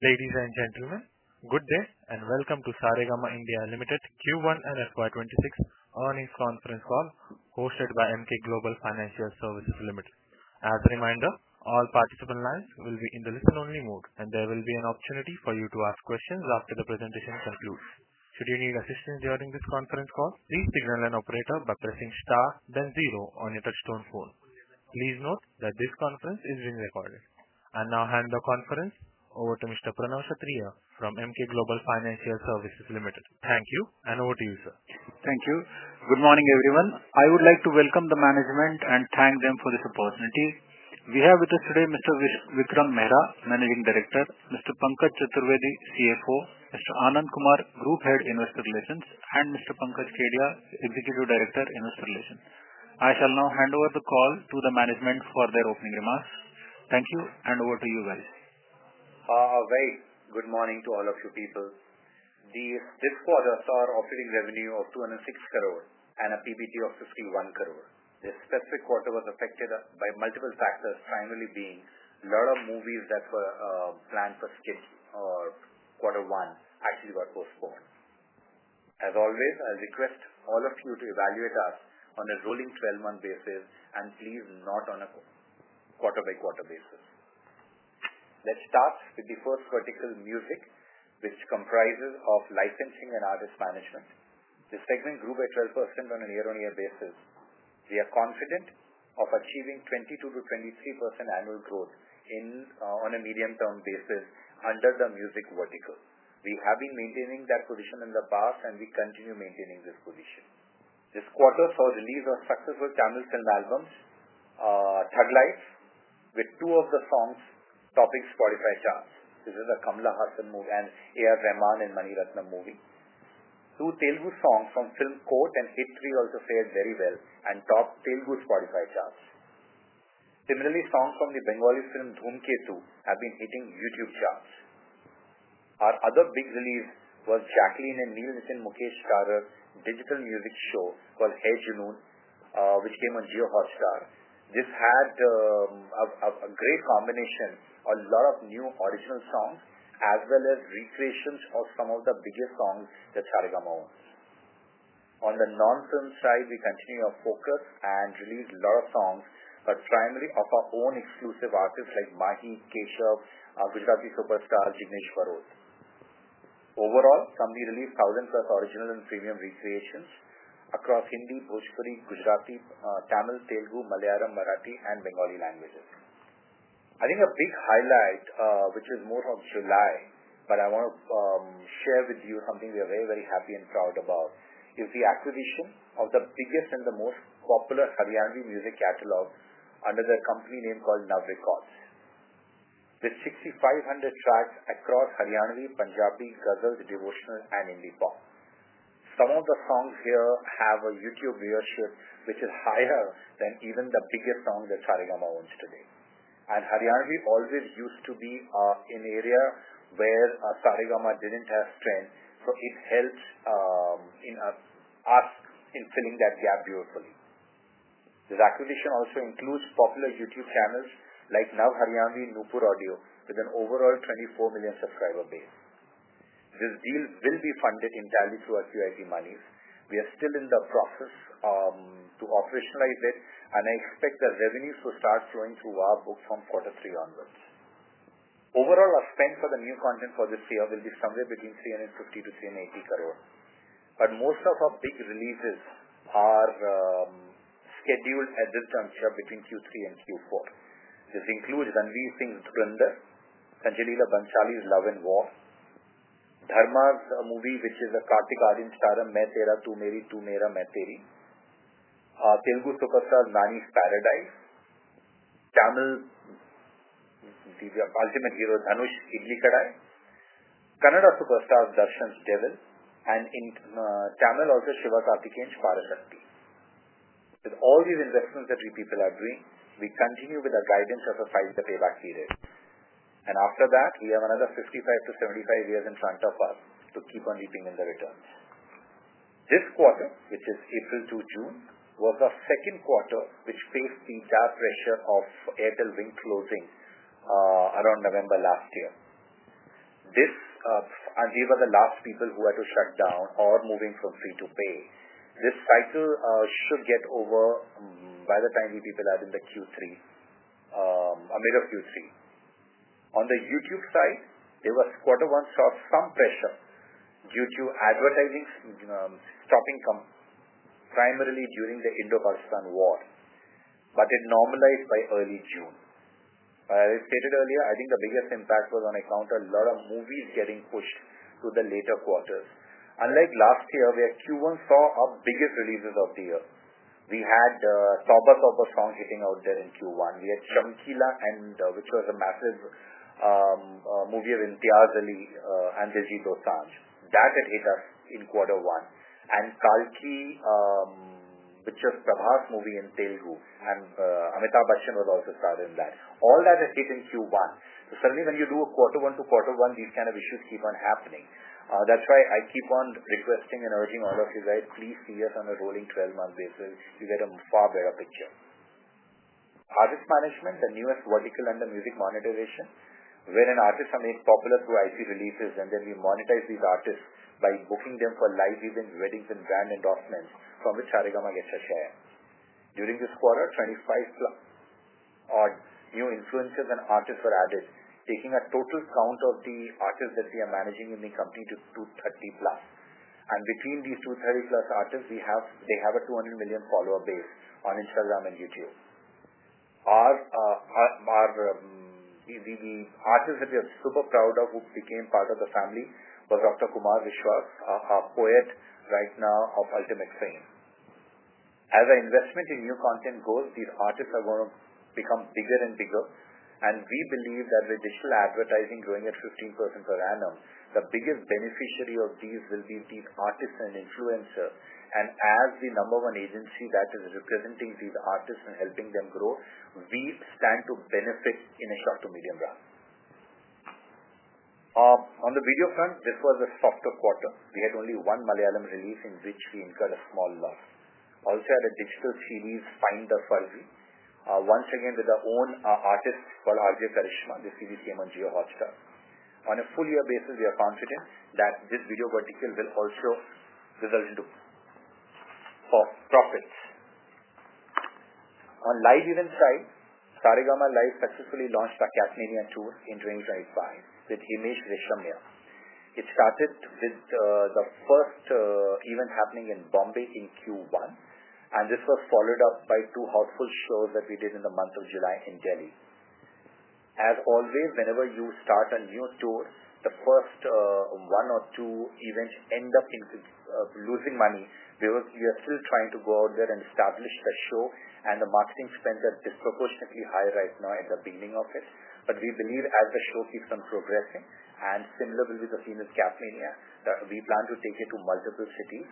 Ladies and gentlemen, good day and welcome to Saregama India Limited Q1 and FY 2026 Earnings Conference Call hosted by Emkay Global Financial Services Limited. As a reminder, all participant lines will be in the listen-only mode, and there will be an opportunity for you to ask questions after the presentation concludes. Should you need assistance during this conference call, please ping the line operator by pressing star then zero on your touch-tone phone. Please note that this conference is being recorded. I now hand the conference over to Mr. Pranav Kshatriya from Emkay Global Financial Services Limited. Thank you, and over to you, sir. Thank you. Good morning, everyone. I would like to welcome the management and thank them for this opportunity. We have with us today Mr. Vikram Mehra, Managing Director, Mr. Pankaj Chaturvedi, CFO, Mr. Anand Kumar, Group Head, Investor Relations, and Mr. Pankaj Kedia, Executive Director, Investor Relations. I shall now hand over the call to the management for their opening remarks. Thank you, and over to you all. Good morning to all of you people. This quarter saw an operating revenue of 206 crore and a PBT of 51 crore. This specific quarter was affected by multiple factors, primarily being a lot of movies that were planned for quarter one actually were postponed. As always, I request all of you to evaluate us on a rolling 12-month basis and please not on a quarter-by-quarter basis. Let's start with the first vertical, music, which comprises licensing and artist management. This segment grew by 12% on a year-on-year basis. We are confident of achieving 22%-23% annual growth on a medium-term basis under the music vertical. We have been maintaining that position in the past, and we continue maintaining this position. This quarter saw the release of successful Tamil film album, Thug Life, with two of the songs topping Spotify charts. This is a Kamal Haasan movie and A.R. Rahman and Mani Ratnam movie. Two Telugu songs from films Court and Hit 3 also fared very well and topped Telugu Spotify charts. Similarly, songs from the Bengali film, Dhoomketu, has been hitting YouTube charts. Our other big release was Jacqueline and Neil Nitin Mukesh starrer Digital Music Show called Hai Junoon, which came on JioHotstar. This had a great combination of a lot of new original songs as well as recreations of some of the biggest songs that Saregama owns. On the non-film side, we continue our focus and release a lot of songs, but primarily of our own exclusive artists like Mahi, Keshav, Gujarati Superstar, Jignesh Barot. Overall, from the release of thousands of original and premium recreations across Hindi, Bhojpuri, Gujarati, Tamil, Telugu, Malayalam, Marathi, and Bengali languages. I think a big highlight, which is more of July, but I want to share with you something we are very, very happy and proud about, is the acquisition of the biggest and the most popular Haryanvi music catalog under the company name called NAV Records. There are 6,500 tracks across Haryanvi, Punjabi, Ghazals, Devotional, and Indie Pop. Some of the songs here have a YouTube viewership which is higher than even the biggest song that Saregama owns today. Haryanvi always used to be an area where Saregama didn't have strength, so it helped us in filling that gap beautifully. This acquisition also includes popular YouTube channels like NAV Haryanvi and Nupur Audio, with an overall 24 million subscriber base. This deal will be funded entirely through our QIP money. We are still in the process to operationalize it, and I expect the revenues will start flowing through our books from quarter three onwards. Overall, our spend for the new content for this year will be somewhere between 350 crore-380 crore. Most of our big releases are scheduled at this juncture between Q3 and Q4. This includes Ranveer Singh's, Dhurandhar, Sanjay Leela Bhansali's Love & War, Dharma's movie, which is a Kartik Aaryan starrer, Main Tera, Tu Meri, Tu Mera, Main Teri, Telugu superstar's Nani's Paradise, Tamil's ultimate hero Dhanush's Idly Kadai, Kannada superstar Darshan's Devil, and in Tamil also Sivakarthikeyan's Parasakthi. With all these investments that we people are doing, we continue with the guidance of a five-year payback series. After that, we have another 55 to 75 years in front of us to keep on reaping the returns. This quarter, which is April to June, was our second quarter which faced the job pressure of Airtel Wynk floating around November last year. These are the last people who had to shut down or move from free to pay. This cycle should get over by the time we people are in the Q3, middle of Q3. On the YouTube side, quarter one saw some pressure due to advertising stopping primarily during the Indo-Pakistan war, but it normalized by early June. As I stated earlier, I think the biggest impact was when I counted a lot of movies getting pushed to the later quarters. Unlike last year, where Q1 saw our biggest releases of the year, we had Tauba Tauba songs hitting out there in Q1. We had Chamkila, which was a massive movie of Imtiaz Ali and Diljit Dosanjh. That had hit us in quarter one. And Kalki, which was Prabhas' movie in Telugu, and Amitabh Bachchan was also starring in that. All that had hit in Q1. Suddenly, when you do a quarter one to quarter one, these kind of issues keep on happening. That's why I keep on requesting and urging all of you that please see us on a rolling 12-month basis. You get a far better picture. Artist Management, the newest vertical under music monetization, wherein artists are made popular through IP releases, and then we monetize these artists by booking them for live events, weddings, and brand endorsements, from which Saregama gets a share. During this quarter, 25+ influencers and artists were added, taking the total count of the artists that we are managing in the company to 230+, and between these 230+ artists, they have a 200 million follower base on Instagram and YouTube. Our artists that we are super proud of, who became part of the family, were Dr. Kumar Vishwas, a poet right now of Ultimate Fame. As our investment in new content grows, these artists are going to become bigger and bigger. We believe that with digital advertising growing at 15% per annum, the biggest beneficiary of these will be these artists' own influencers. As the number one agency that is representing these artists and helping them grow, we stand to benefit in a short to medium run. On the video front, this was a softer quarter. We had only one Malayalam release in which we incurred a small loss. Also, at a digital series, Find the Salvi, once again with our own artist called RJ Karishma. The series came on JioHotstar. On a full-year basis, we are confident that this video vertical will also result in profits. On the live event side, Saregama Live successfully launched a Cap Mania tour in 2025 with Himesh Reshammiya. It started with the first event happening in Bombay in Q1, and this was followed up by two household shows that we did in the month of July in Delhi. Whenever you start a new tour, the first one or two events end up losing money because you are still trying to go out there and establish a show. The marketing spend is disproportionately high right now in the beginning of it. We believe as the show keeps on progressing, and similarly with the scene of Cap Mania, that we plan to take it to multiple cities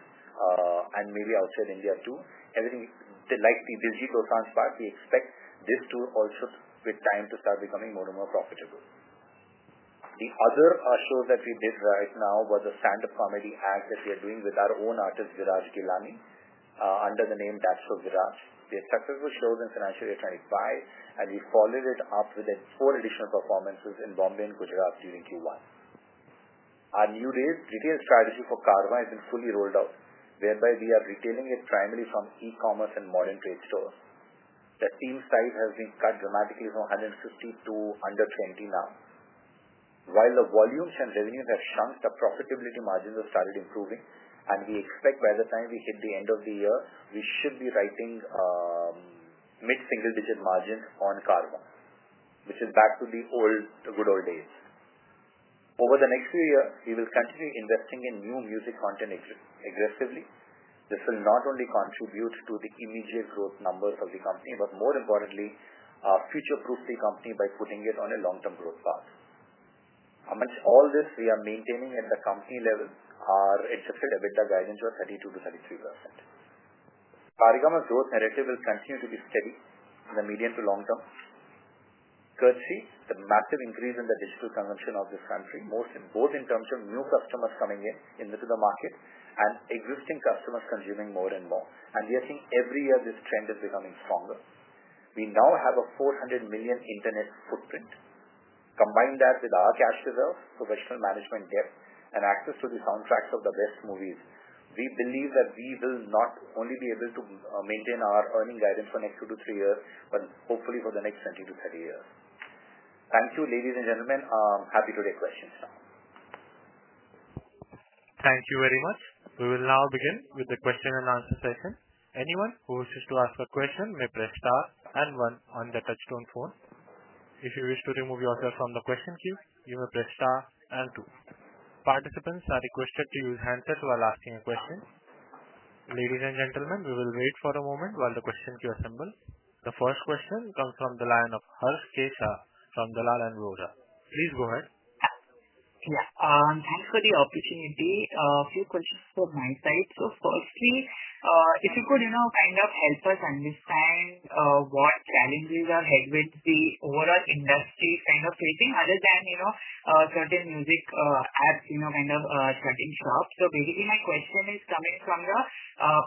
and maybe outside India too. Everything like the Diljit Dosanjh spot, we expect this tour also with time to start becoming more and more profitable. The other shows that we did right now were the stand-up comedy acts that we are doing with our own artist, Viraj Ghelani, under the name That's So Viraj! The successful shows in financial year 2025, and we followed it up with four additional performances in Bombay and Gujarat during Q1. Our new retail strategy for Carvaan has been fully rolled out, whereby we are retailing it primarily from e-commerce and modern trade stores. The team size has been cut dramatically from 150 to 120 now. While the volumes and revenues have shrunk, the profitability margins have started improving. We expect by the time we hit the end of the year, we should be writing mid-single-digit margins on Carvaan, which is back to the good old days. Over the next few years, we will continue investing in new music content aggressively. This will not only contribute to the immediate growth numbers of the company, but more importantly, future-proof the company by putting it on a long-term growth path. Amidst all this, we are maintaining at the company level our adjusted EBITDA guidance of 32%-33%. Saregama's growth narrative will continue to be steady in the medium to long term, courtesy of the massive increase in the digital consumption of this country, both in terms of new customers coming into the market and existing customers consuming more and more. Every year this trend is becoming stronger. We now have a 400 million internet footprint. Combine that with our cash reserves, professional management depth, and access to the soundtracks of the best movies, we believe that we will not only be able to maintain our earning guidance for the next two to three years, but hopefully for the next 20 to 30 years. Thank you, ladies and gentlemen. I'm happy to take questions now. Thank you very much. We will now begin with the question-and-answer session. Anyone who wishes to ask a question may press star and one on their touchstone phones. If you wish to remove yourself from the question queue, you may press star and two. Participants are requested to use hands up while asking a question. Ladies and gentlemen, we will wait for a moment while the question queue assembles. The first question comes from the line of Harssh K Shah from Dalal & Broacha. Please go ahead. Thanks for the opportunity. A few questions from my side. Firstly, if you could kind of help us understand what challenges are held with the overall industry kind of facing, other than certain music apps kind of starting shop. Basically, my question is coming from the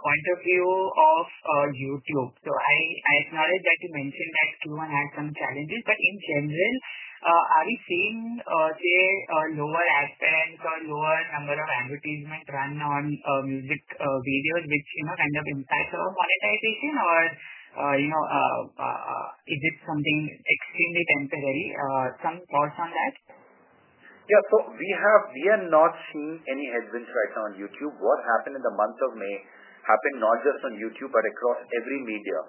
point of view of YouTube. I acknowledge that you mentioned that Q1 had some challenges. In general, are we seeing a lower ad spend, a lower number of employees might run on music videos, which kind of impacts our monetization? Or is it something extremely temporary? Some thoughts on that? Yeah. We are not seeing any headwinds right now on YouTube. What happened in the month of May happened not just on YouTube, but across every media.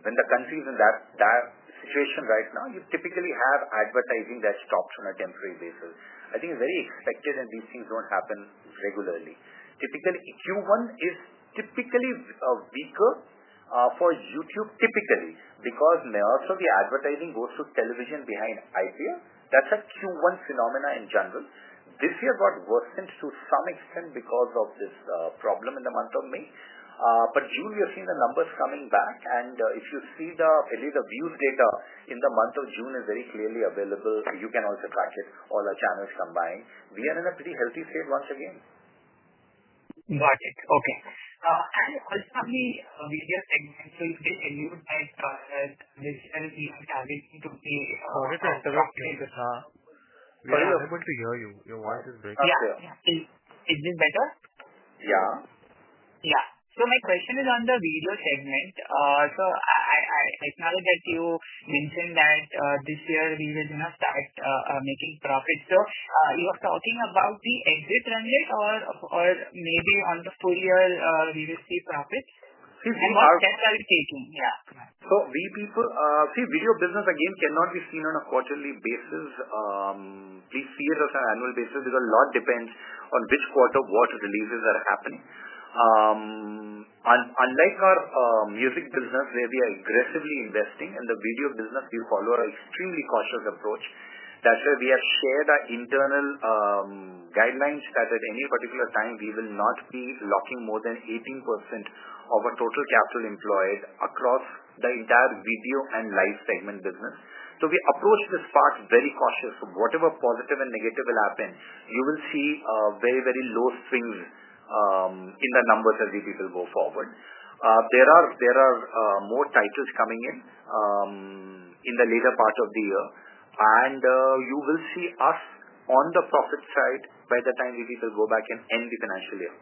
When the country is in that situation right now, you typically have advertising that stops on a temporary basis. I think it's very expected that these things don't happen regularly. Q1 is typically weaker for YouTube because most of the advertising goes to television behind IPL. That's a Q1 phenomena in general. This year got worse to some extent because of this problem in the month of May. June, we are seeing the numbers coming back. If you see the views data in the month of June, it is very clearly available, you can also track it on the channels combined. We are in a pretty healthy state once again. Got it. Okay. Ultimately, we hear everything from every single thing. I wanted to interrupt you because We are able to hear you. Your voice is very clear. Yeah, is it better? Yeah. Yeah, my question is on the Video Segment. I acknowledge that you mentioned that this year we will not start making profits. Are you talking about the exit earnings, or maybe on the full year we will see profits? Yes. Because you are totally talking here. We people, see, video business again cannot be seen on a quarterly basis. Please see it as an annual basis because a lot depends on which quarter what releases are happening. Unlike our music business where we are aggressively investing, in the video business, we follow our extremely cautious approach. That's why we have shared our internal guidelines that at any particular time we will not be locking more than 18% of our total capital employed across the entire video and live segment business. We approach this part very cautiously. Whatever positive and negative will happen, you will see very, very low swings in the numbers as we will go forward. There are more titles coming in in the later part of the year, and you will see us on the profit side by the time we people go back in the financial year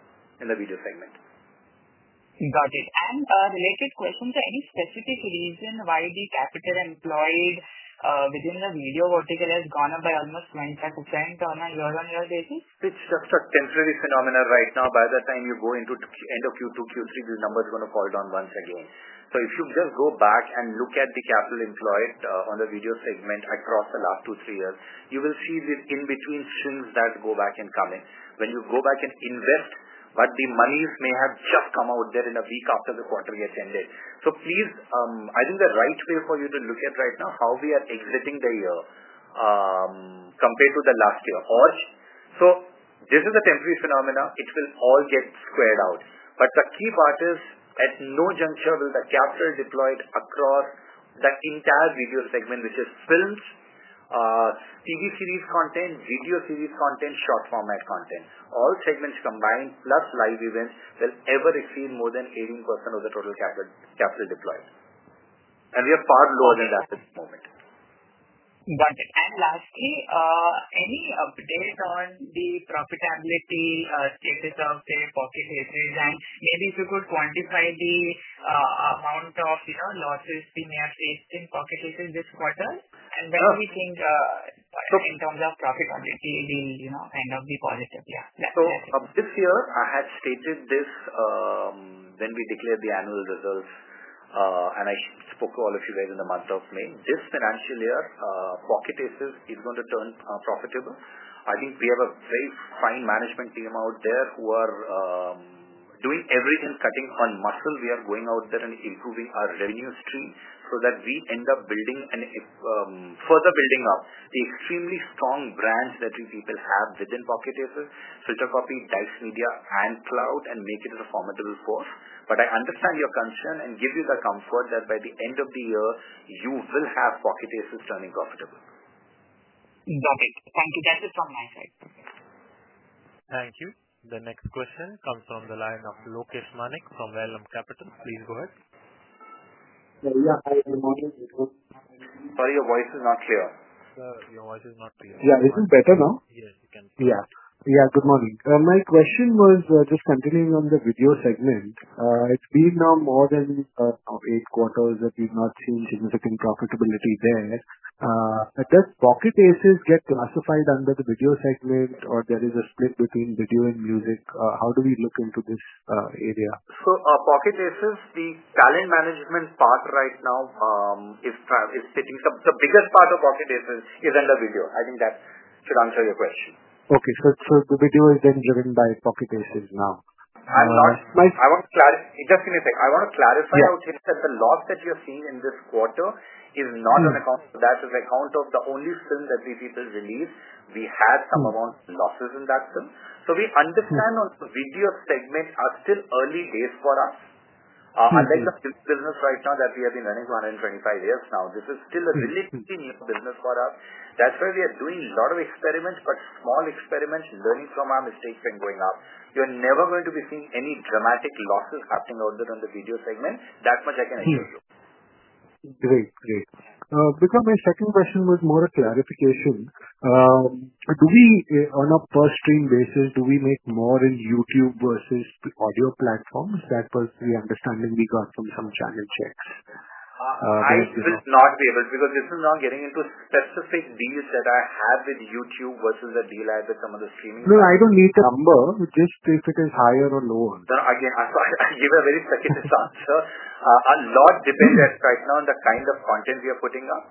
in the video segment. Got it. Is there any specific reason why the capital employed within the Video Segment has gone up by almost 95% on a year-on-year basis? It's just a temporary phenomenon right now. By the time you go into the end of Q2, Q3, the number is going to fall down once again. If you just go back and look at the capital employed on the Video Segment across the last two, three years, you will see the in-between swings that go back and come in when you go back and invest, but the monies may have just come out there in a week after the quarter gets ended. I think the right way for you to look at right now is how we are exiting the year compared to the last year. This is a temporary phenomenon. It will all get squared out. The key part is at no juncture will the capital deployed across the entire Video Segment, which is films, TV series content, video series content, short-form content, all segments combined plus Live Events, ever receive more than 18% of the total capital deployed. We are far lower than that at this moment. Got it. Lastly, any update on the profitability status of the Pocket Aces Maybe if you could quantify the amount of losses we may have faced in Pocket Aces this quarter? We can talk in terms of profitability, the kind of the positive. Yeah. This year, I have stated this when we declared the annual results. I spoke to all of you guys in the month of May. This financial year, Pocket Aces is going to turn profitable. I think we have a very fine management team out there who are doing everything cutting on muscle. We are going out there and improving our revenue stream so that we end up building and further building up the extremely strong brands that we people have within Pocket Aces: FilterCopy, Dice Media, and Cloud, and make it as a formidable source. I understand your concern and give you the comfort that by the end of the year, you will have Pocket Aces turning profitable. Got it. Thank you. That's it from my side. Thank you. The next question comes from the line of Lokesh Manik from Vallum Capital. Please go ahead. Yeah. Yeah. Sorry, your voice is not clear. Sir, your voice is not clear. Yeah, is it better now? Yes, it can. Yeah. Yeah. Good morning. My question was just continuing on the Video Segment. It's been now more than eight quarters that we've not seen significant profitability there. At this, Pocket Aces get classified under the Video Segment, or there is a split between video and music. How do we look into this area? So Pocket Aces, the artist management part right now is sitting, the biggest part of Pocket Aces is in the video. I think that should answer your question. Okay. The video is then driven by Pocket Aces now. I want to clarify just a minute. I want to clarify with you that the loss that you're seeing in this quarter is not on account of that. It's on account of the only film that we people released. We had some amount of losses in that film. We understand also video segments are still early days for us. Unlike the film business right now that we have been running for 125 years now, this is still a relatively new business for us. That's why we are doing a lot of experiments, but small experiments, learning from our mistakes and going up. You're never going to be seeing any dramatic losses happening out there on the Video Segment. That much I can assure you. Great. Great. Vikram. My second question was more a clarification. Do we, on a per-stream basis, make more in YouTube versus the audio platforms? That was the understanding we got from some clients here. This is not the ability because this is now getting into specific deals that I have with YouTube versus the deal I have with some of the streaming services. I don't need the number, just if it is higher or lower. Again, I give a very second-hand answer. A lot depends right now on the kind of content we are putting up.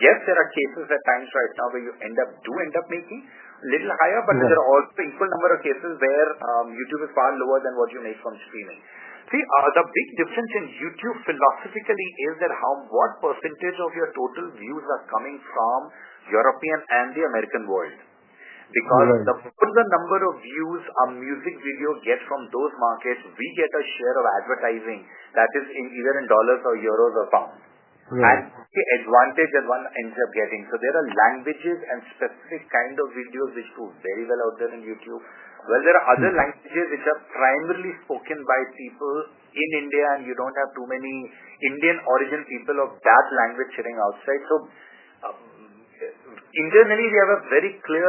Yes, there are cases at times right now where you do end up making a little higher, but there are also a painful number of cases where YouTube is far lower than what you make from streaming. The big difference in YouTube philosophically is that what percentage of your total views are coming from the European and the American world. Because the number of views a music video gets from those markets, we get a share of advertising that is either in dollars or euros or pounds. That's the advantage that one ends up getting. There are languages and specific kinds of videos which go very well out there on YouTube. There are other languages which are primarily spoken by people in India, and you don't have too many Indian-origin people of that language sitting outside. Internally, we have a very clear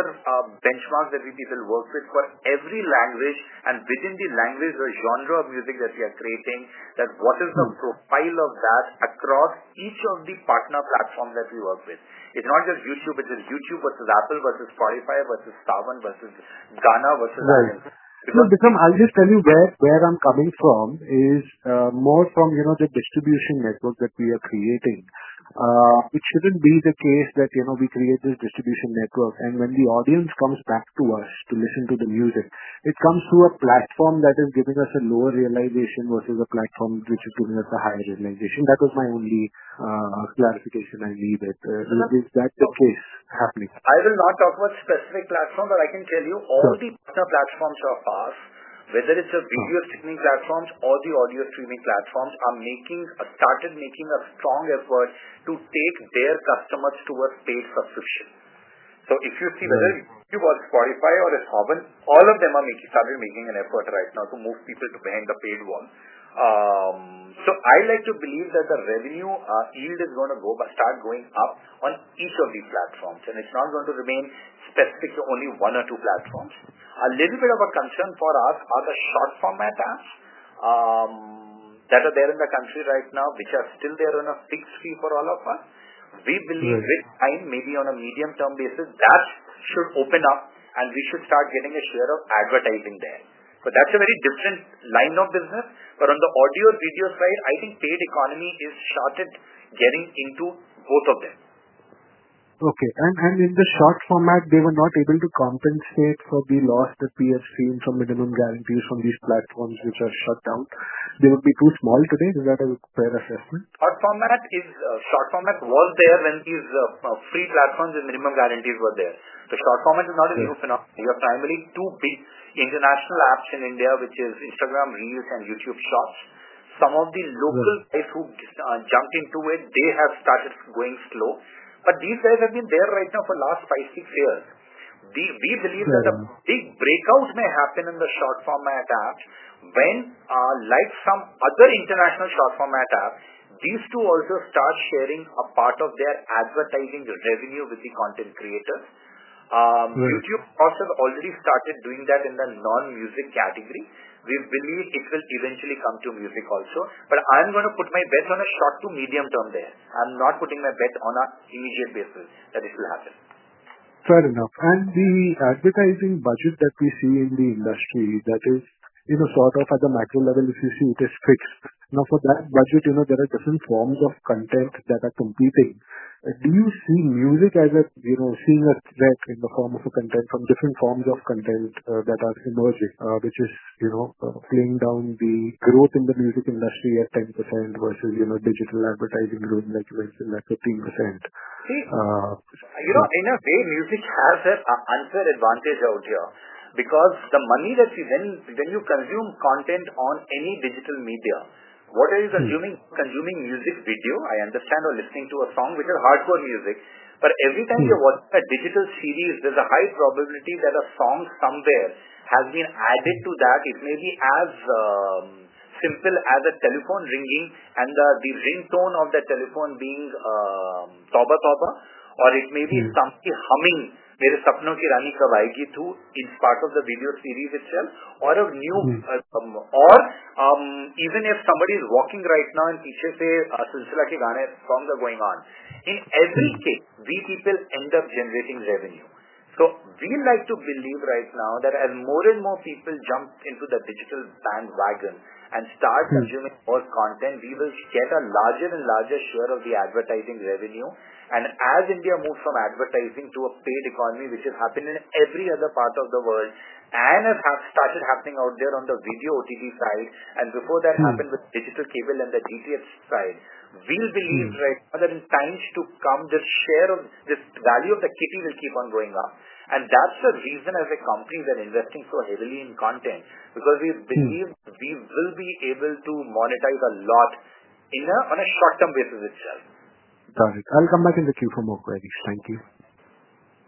benchmark that we people work with for every language and within the language or genre of music that we are creating, that what is the profile of that across each of the partner platforms that we work with. It's not just YouTube. It's YouTube versus Apple versus Spotify versus Saavn versus Gaana versus others. I'll just tell you where I'm coming from is more from, you know, the distribution network that we are creating. It shouldn't be the case that, you know, we create this distribution network, and when the audience comes back to us to listen to the music, it comes through a platform that is giving us a lower realization versus a platform which is giving us a higher realization. That was my only clarification I needed. Is that the case happening? I will not talk about specific platforms, but I can tell you all the platforms so far, whether it's a video streaming platform or the audio streaming platforms, are making a strong effort to take their customers towards paid subscription. If you see whether it's YouTube or Spotify or Saavn, all of them are making an effort right now to move people behind the paid one. I like to believe that the revenue yield is going to start going up on each of these platforms. It's not going to remain specific to only one or two platforms. A little bit of a concern for us are the short-format apps that are there in the country right now, which are still there on a fixed fee for all of us. We believe with time, maybe on a medium-term basis, that should open up, and we should start getting a share of advertising there. That's a very different line of business. On the audio and video side, I think paid economy is starting to get into both of them. Okay. With the short format, they were not able to compensate for the loss that we have seen from minimum guarantees from these platforms which are shut down. They would be too small today? Is that a fair assessment? Short format was there when these free platforms and minimum guarantees were there. The short format is not a new phenomenon. You have primarily two big international apps in India, which are Instagram Reels and YouTube Shorts. Some of these local guys who jumped into it have started going slow. These guys have been there right now for the last five or six years. We believe that a big breakout may happen in the short-format app when, like some other international short format apps, these two also start sharing a part of their advertising revenue with the content creators. YouTube Shorts has already started doing that in the non-music category. We believe it will eventually come to music also. I'm going to put my bet on a short to medium-term there. I'm not putting my bet on an immediate basis that it will happen. Fair enough. The advertising budget that we see in the industry at the macro level is fixed. For that budget, there are different forms of content that are competing. Do you see music as seeing objects in the form of content from different forms of content that are emerging, which is playing down the growth in the music industry at 10% versus digital advertising growth, like you mentioned, at 15%? In a way, music has an unfair advantage out here because the money that you win when you consume content on any digital media, whether you're consuming music video, I understand, or listening to a song, which is hardcore music, but every time you're watching a digital series, there's a high probability that a song somewhere has been added to that. It may be as simple as a telephone ringing and the ringtone of that telephone being Toba Toba, or it may be somebody humming Mere Sapno Ki Rani Kab Aayegi Tu in part of the video series itself, or even if somebody is walking right now and there's a Saregama song going on. In every case, we people end up generating revenue. We like to believe right now that as more and more people jump into the digital bandwagon and start consuming more content, we will get a larger and larger share of the advertising revenue. As India moves from advertising to a paid economy, which has happened in every other part of the world and has started happening out there on the video OTT side, and before that happened with the digital cable and the DTH side, we believe right now that in times to come, this share of this value of activity will keep on going up. That's the reason as a company that is investing so heavily in content because we believe we will be able to monetize a lot on a short-term basis itself. Got it. I'll come back in the queue for more queries. Thank you.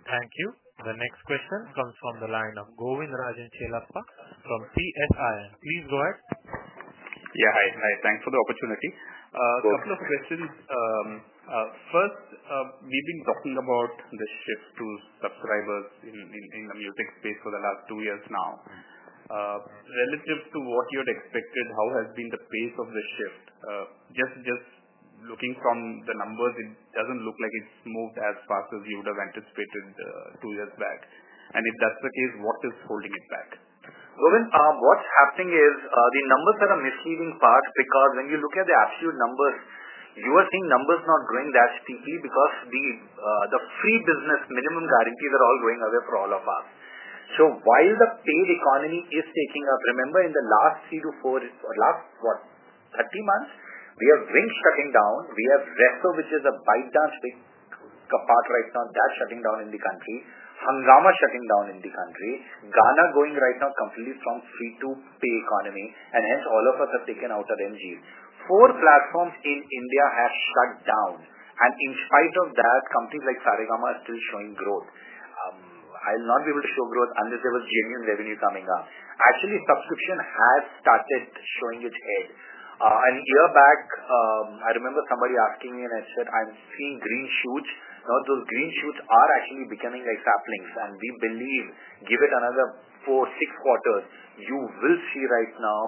Thank you. The next question comes from the line of Govindarajan Chellappa from CSIM. Please go ahead. Yeah. Hi. Hi. Thanks for the opportunity. A couple of questions. First, we've been talking about the shift to subscribers in the music space for the last two years now. Relative to what you had expected, how has been the pace of the shift? Just looking from the numbers, it doesn't look like it's moved as fast as you would have anticipated two years back. If that's the case, what is holding it back? The numbers are a misleading part because when you look at the actual numbers, you are seeing numbers not growing that steeply because the free business minimum guarantees are all going away for all of us. While the paid economy is taking up, remember in the last three to four, last what, 30 months, we have Wynk shutting down. We have Resso, which is a ByteDance space, the part right now that's shutting down in the country. Hungama is shutting down in the country. Gaana is going right now completely from free to paid economy, and hence all of us are taken out of MG. Four platforms in India have shut down. In spite of that, companies like Saregama are still showing growth. I'll not be able to show growth unless there was genuine revenue coming up. Actually, subscription has started showing its head. A year back, I remember somebody asking me, and I said, "I'm seeing green shoots." Those green shoots are actually becoming like saplings. We believe give it another four, six quarters, you will see right now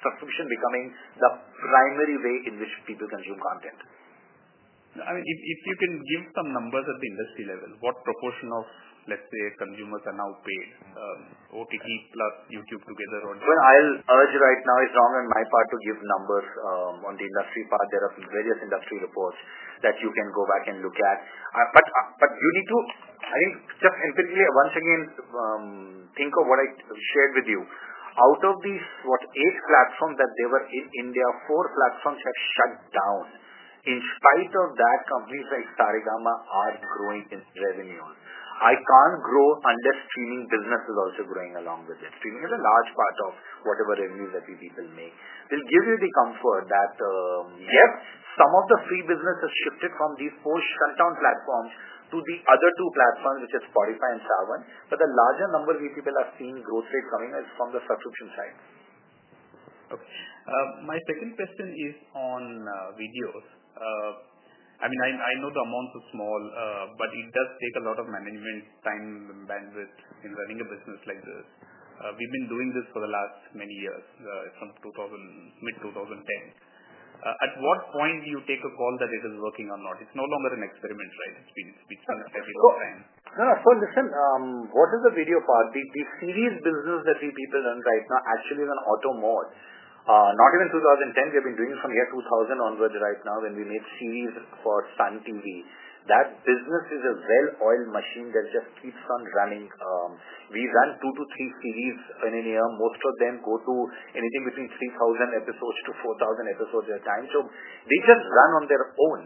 subscription becoming the primary way in which people consume content. I mean, if you can give some numbers at the industry level, what proportion of, let's say, consumers are now paying OTT plus YouTube together? What I'll urge right now is it's wrong on my part to give numbers on the industry part. There are various industry reports that you can go back and look at. You need to, I think, just empathize with one thing and think of what I shared with you. Out of these, what, eight platforms that there were in India, four platforms have shut down. In spite of that, companies like Saregama are growing in revenue. I can't grow under streaming businesses also growing along with it. Streaming is a large part of whatever revenues that we people make. It will give you the comfort that, yes, some of the free business has shifted from these four shutdown platforms to the other two platforms, which are Spotify and Saavn. The larger number we people have seen growth rates coming is from the subscription side. Okay. My second question is on videos. I mean, I know the amounts are small, but it does take a lot of management's time and bandwidth in running a business like this. We've been doing this for the last many years, since mid-2010. At what point do you take a call that it is working or not? It's no longer an experiment, right? It's been experimental. No, no. So listen, what is the video part? The series business that we people run right now actually is in auto mode. Not even 2010. We have been doing this from year 2000 onwards right now when we made series for Sun TV. That business is a well-oiled machine that just keeps on running. We run two to three series in a year. Most of them go to anything between 3,000 episodes-4,000 episodes in a time too. They just run on their own.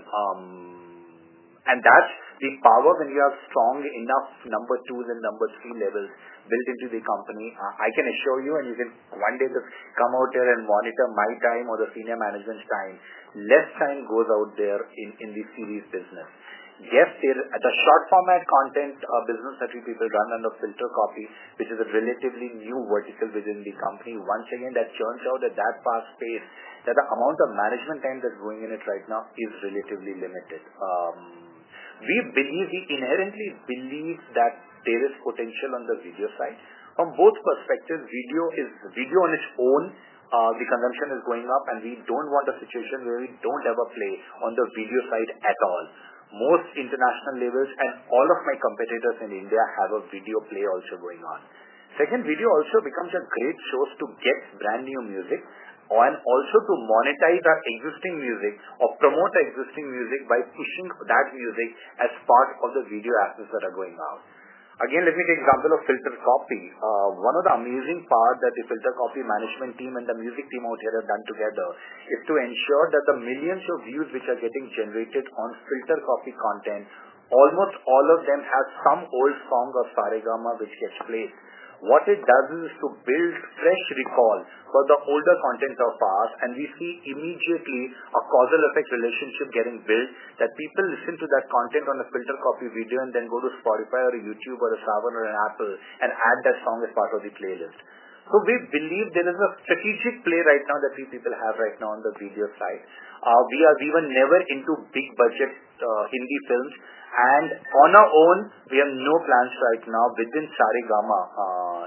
That's the power when you have strong enough number two and number three levels built into the company. I can assure you, and you can one day just come out there and monitor my time or the Senior Management's time. Less time goes out there in the series business. Yes, here at the short-form content business that we people run and the FilterCopy, which is a relatively new vertical within the company, once again, that turns out at that fast pace that the amount of management time that's going in it right now is relatively limited. We inherently believe that there is potential on the video side. On both perspectives, video is video on its own. The consumption is going up, and we don't want a situation where we don't have a play on the video side at all. Most international labels and all of my competitors in India have a video play also going on. Second, video also becomes a great source to get brand new music and also to monetize that existing music or promote existing music by pushing that music as part of the video assets that are going out. Again, let me give an example of FilterCopy. One of the amazing parts that the FilterCopy management team and the music team out here have done together is to ensure that the millions of views which are getting generated on FilterCopy content, almost all of them have some old song of Saregama which gets played. What it does is to build fresh recall for the older content of our past, and we see immediately a causal effect relationship getting built that people listen to that content on a FilterCopy video and then go to Spotify or YouTube or a Saavn or an Apple and add that song as part of the playlist. We believe there is a strategic play right now that we people have right now on the video side. We were never into big-budget Hindi films. On our own, we have no plans right now within Saregama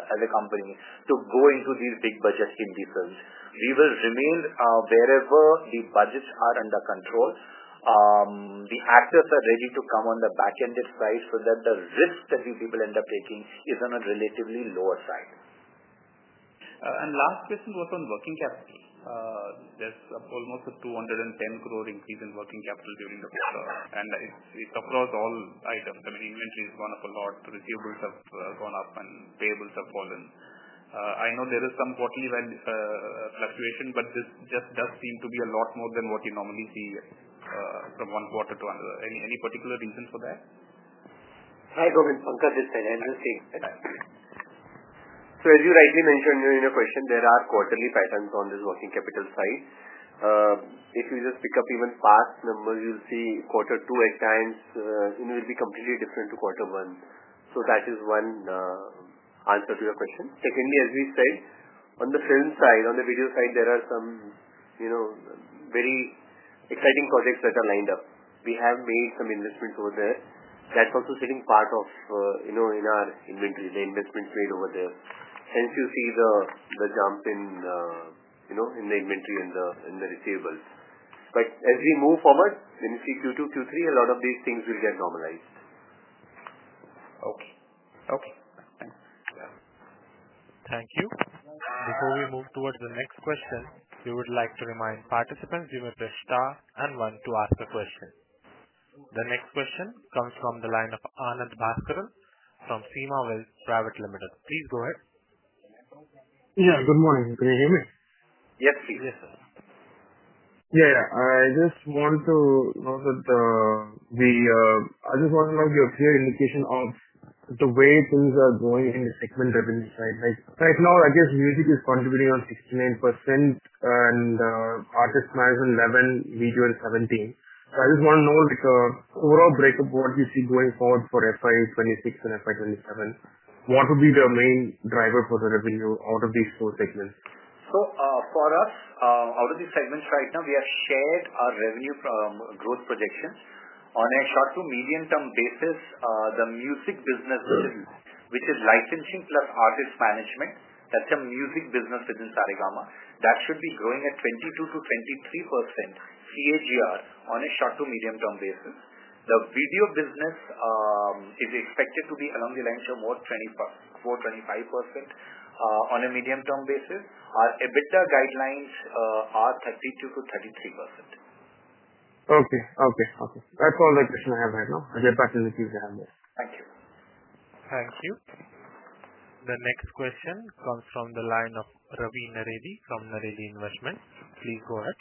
as a company to go into these big-budget Hindi films. We will remain wherever the budgets are under control. The actors are ready to come on the back-ended price so that the risk that we people end up taking is on a relatively lower side. The last question was on working capital. There's almost an 210 crore increase in working capital during the quarter, and it's across all items. Inventory has gone up a lot, receivables have gone up, and payables have fallen. I know there is some quarterly valuation, but this just does seem to be a lot more than what you normally see from one quarter to another. Any particular reason for that? Hi, Govind. Pankaj, this side. As you rightly mentioned in your question, there are quarterly patterns on this working capital side. If you just pick up even fast numbers, you'll see quarter two expands. It will be completely different to quarter one. That is one answer to your question. Secondly, as we said, on the films side, on the video side, there are some very exciting projects that are lined up. We have made some investments over there. That's also sitting part of in our inventory, the investments made over there. Hence, you see the jump in the inventory and the receivables. As we move forward, when you see Q2, Q3, a lot of these things will get normalized. Okay. Okay. Thank you. Thank you. Before we move towards the next question, we would like to remind participants you may press star and one to ask a question. The next question comes from the line of Anand Bhaskaran from KSEMA Wealth Management Private Limited. Please go ahead. Good morning. Can you hear me? Yes, yes sir. I just want to know your clear indication of the way things are going in the segment revenue side. Right now, I guess music is contributing 69%, Artist Management 11%, video 17%. I just want to know an overall breakup of what you see going forward for FY 2026 and FY 2027. What would be the main driver for the revenue out of these four segments? For us, out of these segments right now, we have shared our revenue from growth projections. On a short to medium-term basis, the music business, which is licensing plus Artist Management, that's a music business within Saregama, that should be growing at 22% to 23% CAGR on a short to medium-term basis. The video business is expected to be along the lines of more 24%-25%. On a medium-term basis, our EBITDA guidelines are 32%-33%. Okay. Okay. Okay. That's all the questions I have right now. I'll get back to the queue for a moment. Thank you. The next question comes from the line of Ravi Naredi from Naredi Investment. Please go ahead.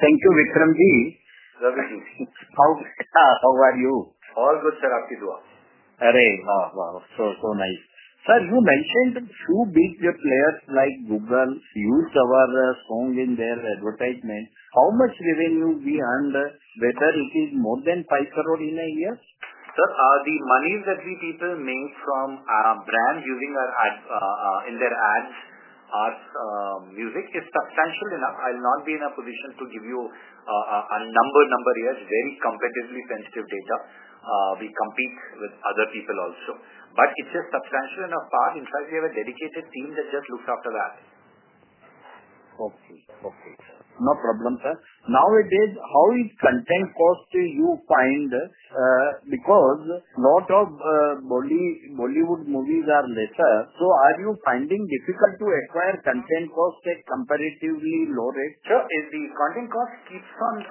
Thank you, Vikram. G. Ravi, how are you? All good, sir. Happy to watch. Really? Wow, wow. So nice. Sir, you mentioned two big players like Google used our song in their advertisement. How much revenue we earned there? It is more than 5 crore in a year. Sir, the monies that we people make from our brand using our in their ads or music is substantial enough. I'll not be in a position to give you a number here when comparatively sensitive data. We compete with other people also. It's a substantial enough part. In fact, we have a dedicated team that just looks after that. Okay. No problem, sir. Nowadays, how is content cost to you behind this? Because a lot of Bollywood movies are there, sir. Are you finding it difficult to acquire content cost at a comparatively low rate? Sir, the content cost keeps on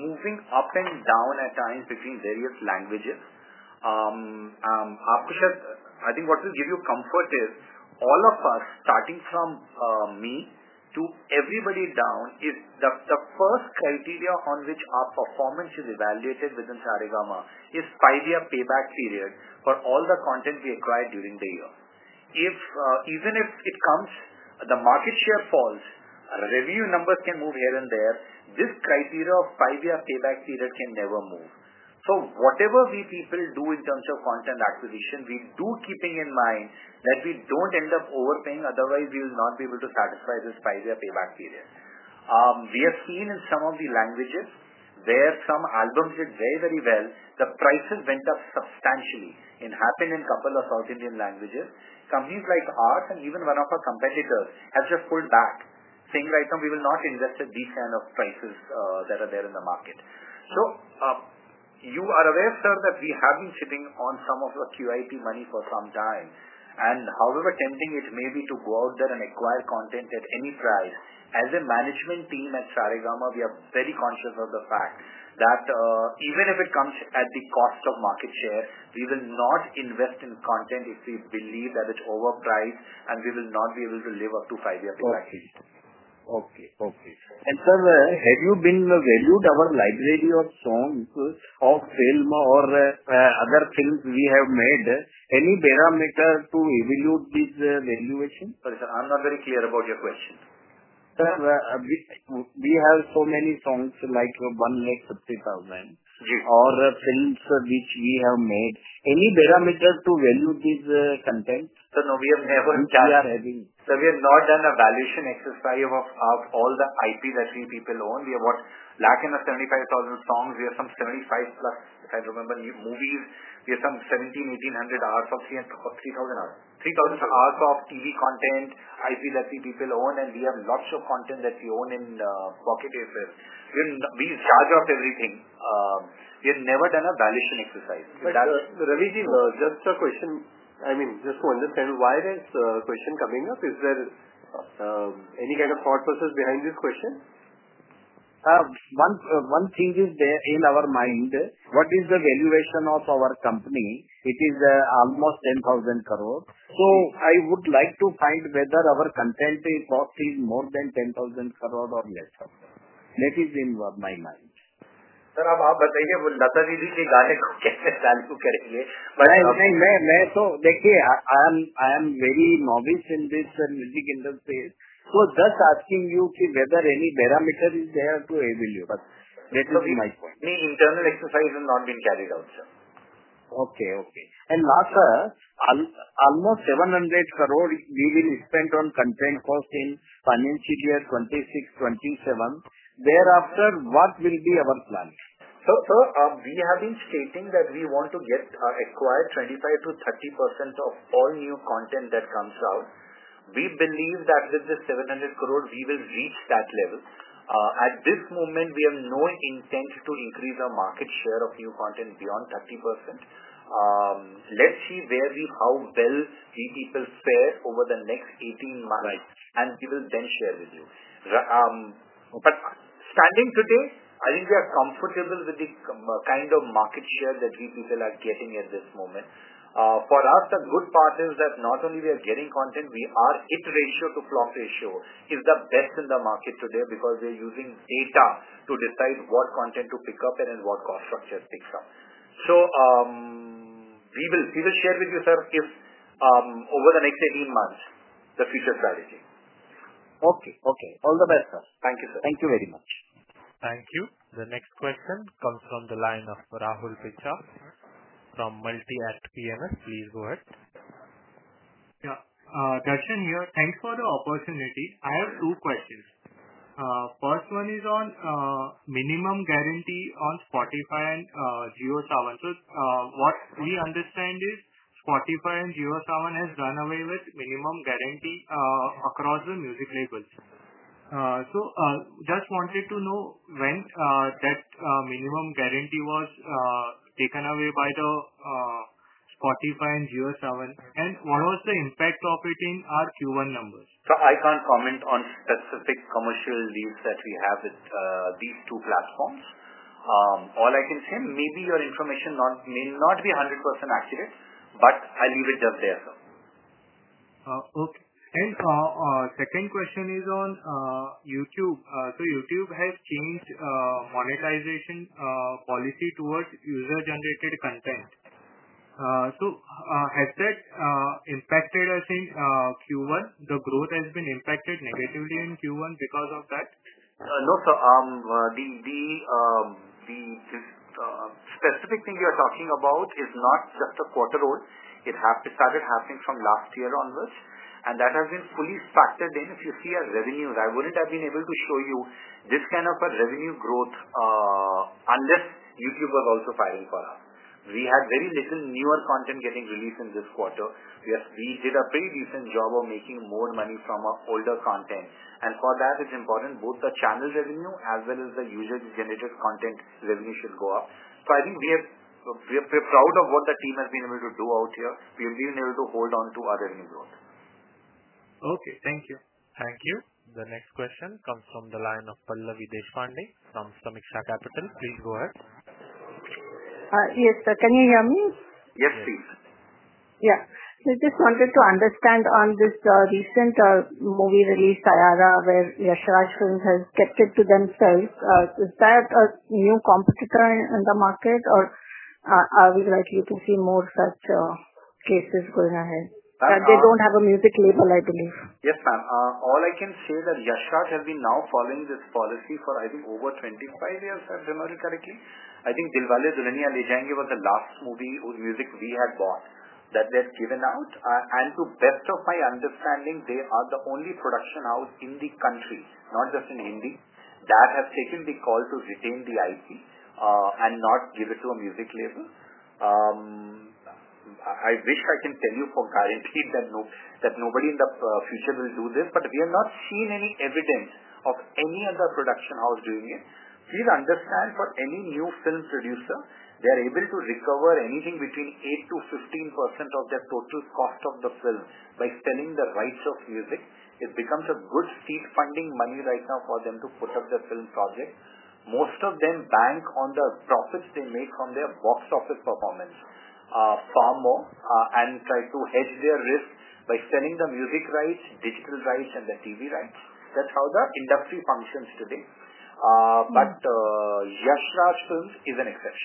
moving up and down at times between various languages. I think what will give you comfort is all of us, starting from me to everybody down, is the first criteria on which our performance is evaluated within Saregama is five-year payback period for all the content we acquired during the year. Even if it comes, the market share falls, revenue numbers can move here and there, this criteria of five-year payback period can never move. Whatever we people do in terms of content acquisition, we do keep in mind that we don't end up overpaying. Otherwise, we will not be able to satisfy this five-year payback period. We have seen in some of the languages where some albums did very, very well. The prices went up substantially. It happened in a couple of South Indian languages. Companies like ours and even one of our competitors have just pulled back, saying right now we will not invest at these kinds of prices that are there in the market. You are aware, sir, that we have been shipping on some of the QIP money for some time. However tempting it may be to go out there and acquire content at any price, as a management team at Saregama, we are very conscious of the fact that even if it comes at the cost of market share, we will not invest in content if we believe that it's overpriced and we will not be able to live up to five-year payback period. Okay. Okay. Okay. Sir, have you been evaluating our library of songs or films or other things we have made? Any barometer to evaluate this evaluation? Sorry, sir. I'm not very clear about your question. Sir, we have so many songs like 150,000 or films which we have made. Any barometer to evaluate this content? Sir, no. We have never done an evaluation exercise of all the IP that we people own. We have about 175,000 songs. We have some 75+ I remember, movies. We have some 1,700, 1,800 hours or 3,000 hours of TV content IP that we people own, and we have lots of content that we own in Pocket Aces We charge up everything. We have never done an evaluation exercise. Ravi, just a question. I mean, just to understand, why is this question coming up? Is there any kind of thought process behind this question? One thing is in our mind, what is the valuation of our company? It is almost 10,000 crore. I would like to find whether our content cost is more than 10,000 crore or less of that. That is in my mind. Sir, about that, you will not really be direct, okay? I think. I am very novice in this music industry. I am just asking you whether any barometer is there to evaluate. That would be my point. Any internal exercise has not been carried out, sir. Okay. Okay. Last, sir, almost 700 crore you will spend on content cost in financial year 2026, 2027. Thereafter, what will be our plans? Sir, we have been stating that we want to get acquired 25%-30% of all new content that comes out. We believe that with the 700 crore, we will reach that level. At this moment, we have no intent to increase our market share of new content beyond 30%. Let's see how well we people spare over the next 18 months, and we will then share with you. Standing today, I think we are comfortable with the kind of market share that we people are getting at this moment. For us, the good part is that not only we are getting content, its ratio to flop ratio is the best in the market today because we are using data to decide what content to pick up and what cost structures to pick up. We will share with you, sir, if over the next 18 months, the future strategy. Okay. Okay. All the best, sir. Thank you, sir. Thank you very much. Thank you. The next question comes from the line of Rahul Picha from Multi-Act PMS. Please go ahead. Yeah. Dashman here. Thanks for the opportunity. I have two questions. First one is on minimum guarantee on Spotify and JioSaavn. What we understand is Spotify and JioSaavn has done away with minimum guarantee across the music labels. Just wanted to know when that minimum guarantee was taken away by the Spotify and JioSaavn, and what was the impact of it in our Q1 numbers? Sir, I can't comment on specific commercial leads that we have with these two platforms. All I can say, maybe your information may not be 100% accurate, but I'll leave it just there, sir. Okay. Our second question is on YouTube. YouTube has changed monetization policy towards user-generated content. Has that impacted, I think, Q1? The growth has been impacted negatively in Q1 because of that? No, sir. The specific thing we are talking about is not just a quarter old. It started happening from last year onwards, and that has been fully factored in if you see a revenue rivalry. I wouldn't have been able to show you this kind of a revenue growth unless YouTube was also firing for us. We had very recent newer content getting released in this quarter. We did a pretty decent job of making more money from our older content. For that, it's important both the channel revenue as well as the user-generated content revenue should go up. I think we are proud of what the team has been able to do out here. We have been able to hold on to our revenues out. Okay, thank you. Thank you. The next question comes from the line of Pallavi Deshpande from Sameeksha Capital. Please go ahead. Yes, sir. Can you hear me? Yes, please. Yeah, I just wanted to understand on this recent movie release, Saiyaara, where Yash Raj Films has kept it to themselves. Is that a new competitor in the market, or are we likely to see more such cases going ahead? That they don't have a music label, I believe. Yes, ma'am. All I can say is that Yash Raj has been now following this policy for, I think, over 25 years, if memory serves me correctly. I think Dilwale Dulhania Le Jayenge was the last movie or music we had bought that they have given out. To the best of my understanding, they are the only production house in the country, not just in Hindi, that has taken the call to retain the IP and not give it to a music label. I wish I can tell you for guarantee that nobody in the future will do this, but we have not seen any evidence of any other production house doing it. Please understand for any new film producer, they are able to recover anything between 8%-5% of their total cost of the film by selling the rights of music. It becomes a good seed funding money right now for them to put up their film project. Most of them bank on the profits they make from their box office performance far more and try to hedge their risk by selling the music rights, digital rights, and the TV rights. That's how the industry functions today. Yash Raj Films is in excess.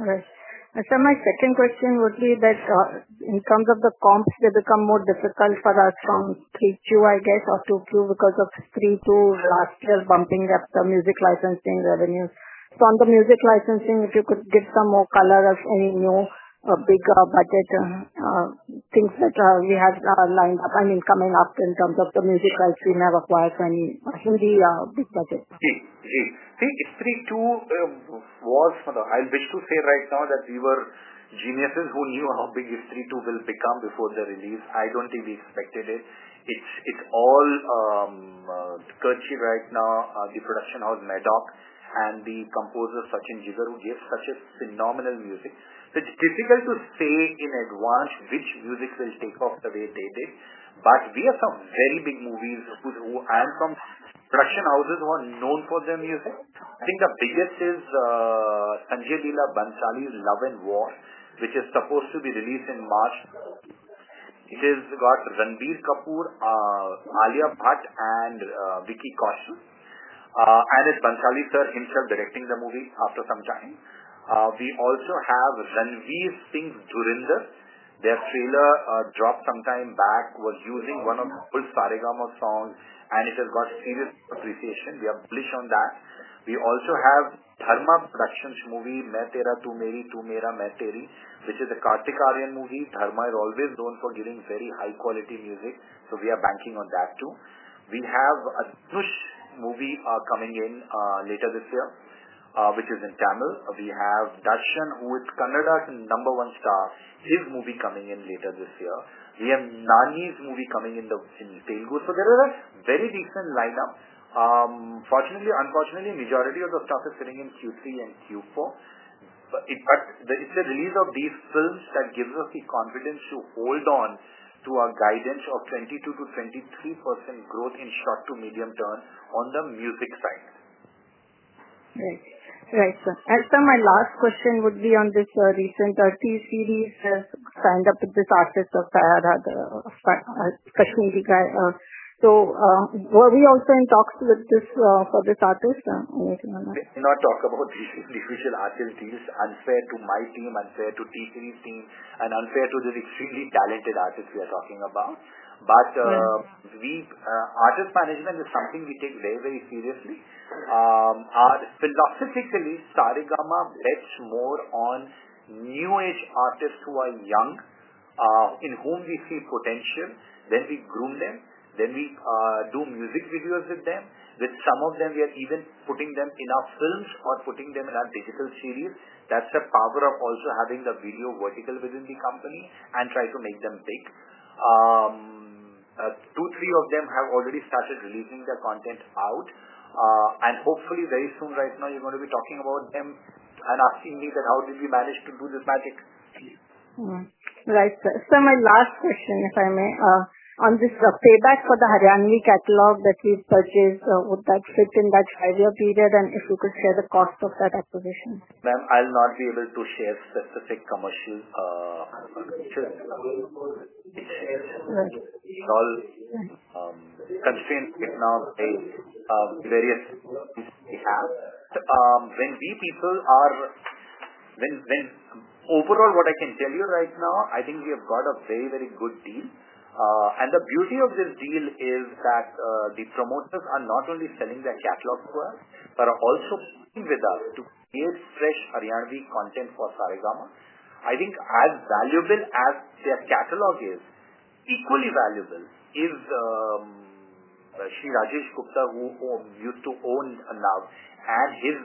All right. My second question would be that in terms of the comps, they become more difficult for us from 3Q, I guess, or 2Q because of 3Q last year bumping up the music licensing revenue. On the music licensing, if you could give some more color of any new or bigger budget or things that we have lined up, I mean, coming up in terms of the music rights we may have acquired in Hindi big budget. I think Stree 2 was, for the highlight, which to say right now that we were geniuses who knew how big Stree 2 will become before the release. I don't think we expected it. It's all courtesy right now. The production house Maddock and the composer Sachin-Jigar who gave such phenomenal music. It's so difficult to say in advance which music will take off the way they did. We have some very big movies who come from production houses who are known for their music. I think the biggest is Sanjay Leela Bhansali's Love & War, which is supposed to be released in March. It has got Ranbir Kapoor, Alia Bhatt, and Vicky Kaushal. It's Bhansali herself directing the movie after some time. We also have Ranveer Singh's Dhurandhar. Their trailer dropped some time back, was using one of the old Saregama songs, and it has got serious appreciation. We are bullish on that. We also have Dharma Productions' movie Main Tera Tu Meri Tu Mera Main Teri, which is a Kartik Aaryan movie. Dharma is always known for giving very high-quality music. We are banking on that too. We have Anush's movie coming in later this year, which is in Tamil. We have Darshan, who is Kannada's number one star. His movie coming in later this year. We have Nani's movie coming in Telugu. Very decent line-up. Unfortunately, the majority of the stuff is sitting in Q3 and Q4. It's the release of these films that gives us the confidence to hold on to our guidance of 22%-23% growth in short to medium term on the music side. Right. Right, sir. My last question would be on this recent T-Series signed up with this artist of Saiyaara, the Kashmiri guy. Were we also in talks with this artist? Let's not talk about these official artist deals. It's unfair to my team, unfair to T-Series, and unfair to the extremely talented artists we are talking about. Artist Management is something we take very, very seriously. Philosophically, Saregama bets more on new-age artists who are young, in whom we see potential. We groom them, do music videos with them, and with some of them, we are even putting them in our films or putting them in our digital series. That's the power of also having the video vertical within the company and trying to make them big. Two or three of them have already started releasing their content out. Hopefully, very soon, you're going to be talking about them and asking me how did you manage to do the project. Right. Right, sir. My last question, if I may, on this payback for the Haryanvi catalog that you've purchased, would that fit in that five-year period? If you could share the cost of that acquisition. Ma'am, I'll not be able to share specific commercials. Sure. Because all constraints right now, various workers we have. When we people are overall, what I can tell you right now, I think we have got a very, very good deal. The beauty of this deal is that the promoters are not only selling their catalog to us but are also working with us to create fresh Haryanvi content for Saregama. I think as valuable as their catalog is, equally valuable is Rashi, Rajesh Gupta, who used to own NAV and have his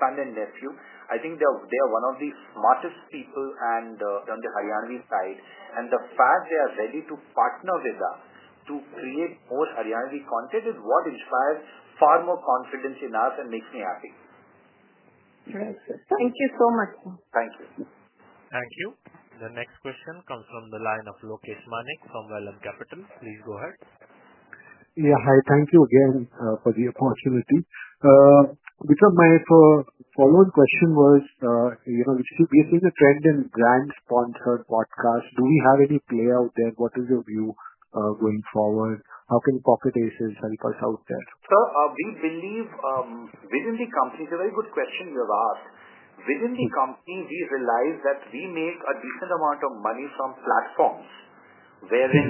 son and nephew. I think they are one of the smartest people on the Haryanvi side. The fact they are ready to partner with us to create more Haryanvi content is what inspires far more confidence in us and makes me happy. Thank you so much, sir. Thank you. Thank you. The next question comes from the line of Lokesh Manik from Vallum Capital. Please go ahead. Yeah. Hi. Thank you again for the opportunity. Vikram, my follow-on question was, you know, we're supposed to send in brand sponsored podcasts. Do we have any play out there? What is your view going forward? How can Pocket Aces help us out there? Sir, we believe within the company, it's a very good question you have asked. Within the company, we realize that we make a decent amount of money from platforms wherein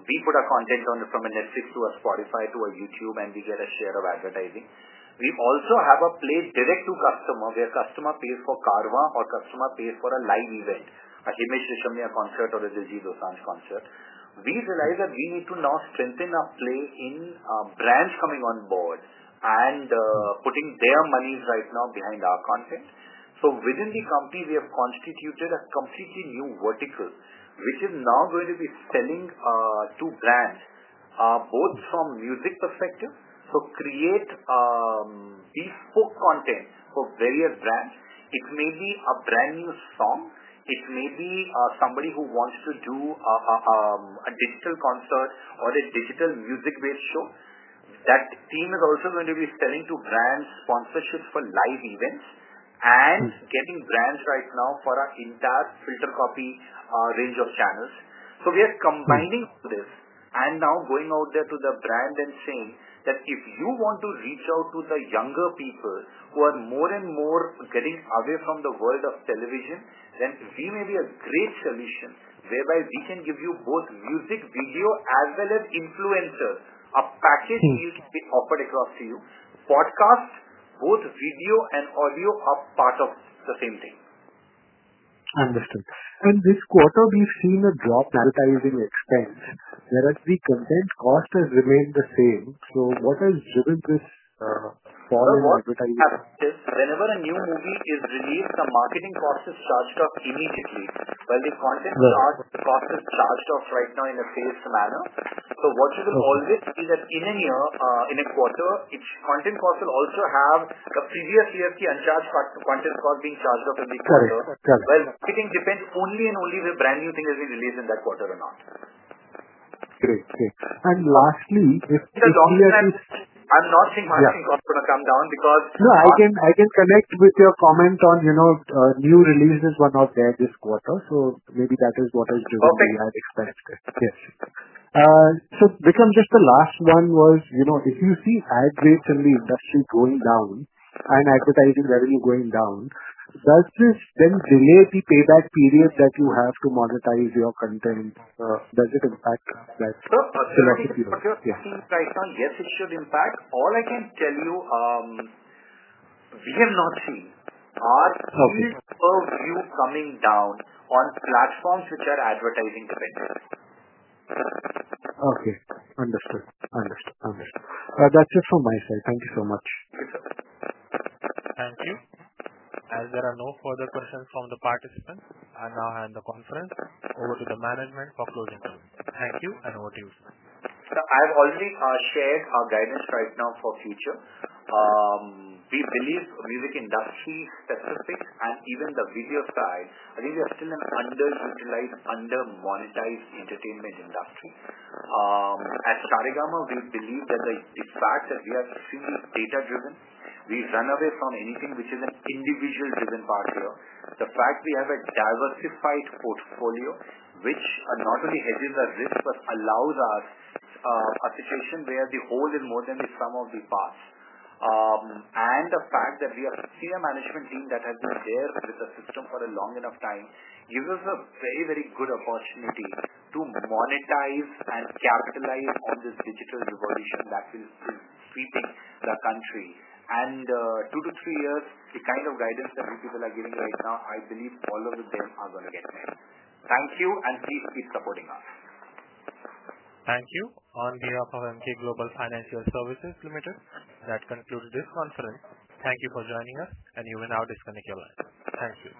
we put our content on, from a Netflix to a Spotify to a YouTube, and we get a share of advertising. We also have a play direct to customer where customer pays for Carvaan or customer pays for a Live Event, a Himesh Reshammiya concert or a Diljit Dosanjh's concert. We realize that we need to now strengthen our play in brands coming on board and putting their monies right now behind our content. Within the company, we have constituted a completely new vertical, which is now going to be selling to brands, both from a music perspective, to create bespoke content for various brands. It may be a brand-new song. It may be somebody who wants to do a digital concert or a digital music-based show. That team is also going to be selling to brands sponsorship for live events and getting brands right now for our entire FilterCopy range of channels. We are combining this and now going out there to the brand and saying that if you want to reach out to the younger people who are more and more getting away from the world of television, we may be a great solution whereby we can give you both music, video, as well as influencers, a package which can be offered across to you. Podcasts, both video and audio, are part of the same thing. Understood. This quarter, we've seen a drop in advertising expense, whereas the content cost has remained the same. What has driven this fall in advertising? Sir, whenever a new movie is released, the marketing cost is charged off immediately. When the content cost is charged off right now in a phased manner, what you can call it is that in a year, in a quarter, its content cost will also have the previous year's uncharged content cost being charged off every quarter. The marketing depends only and only if a brand new thing has been released in that quarter or not. Great. Great. Lastly. Because I'm not saying marketing cost is going to come down, because I can connect with your comments on, you know, new releases were not there this quarter. Maybe that is what has driven the expense. Yes. Vikram, just the last one was, you know, if you see ad rates in the industry going down and advertising revenue going down, does this then delay the payback period that you have to monetize your content? Does it impact that philosophy? Sure. I think right now, yes, it should impact. All I can tell you is we have not seen a week or view coming down on platforms which are advertising dependent. Okay. Understood. Understood. Okay. That's just from my side. Thank you so much. Thank you. There are no further concerns from the participants in the conference. Over to the management for closing comments. Thank you, and over to you, sir. Sir, I've already shared our guidance right now for the future. We believe music industry specifics and even the video side, I think we are still an under-monetized entertainment industry. At Saregama, we believe that the facts that we have seen are data-driven. We run away from anything which is an individual-driven part here. The fact we have a diversified portfolio, which not only hedges our risks but allows us a situation where the whole is more than the sum of the parts. The fact that we have a Senior Management team that has been there with the system for a long enough time gives us a very, very good opportunity to monetize and capitalize on this digital revolution that is feeding the country. In two to three years, the kind of guidance that we people are giving right now, I believe all of the devs are going to get there. Thank you, and please keep supporting us. Thank you. On behalf of Emkay Global Financial Services Limited, that concludes this conference. Thank you for joining us, and you will now disconnect your line. Thank you.